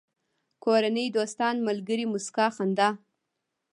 کورنۍ، دوستان، ملگري، موسکا، خندا